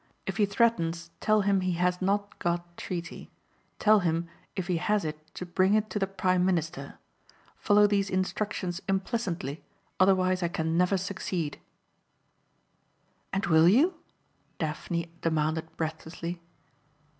If he threatens tell him he has not got treaty. Tell him if he has it to bring it to the prime minister. Follow these instructions implicitly otherwise I can never succeed." "And will you?" Daphne demanded breathlessly.